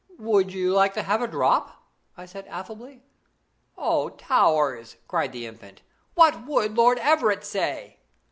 'Would you like to have a drop?' I said affably. 'Oh, Towers!' cried the Infant, 'what would Lord Everett say?'